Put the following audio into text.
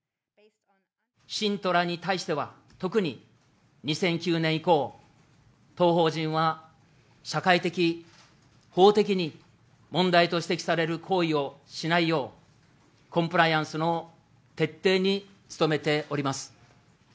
信徒らに対しては、特に２００９年以降、当法人は社会的、法的に問題と指摘される行為をしないよう、コンプライアンスの徹底に努めております。